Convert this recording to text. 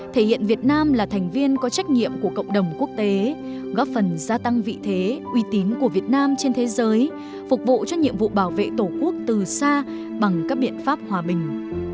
thể hiện việt nam là thành viên có trách nhiệm của cộng đồng quốc tế góp phần gia tăng vị thế uy tín của việt nam trên thế giới phục vụ cho nhiệm vụ bảo vệ tổ quốc từ xa bằng các biện pháp hòa bình